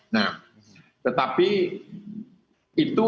nah tetapi itu